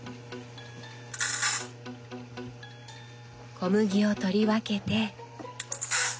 小麦を取り分けて。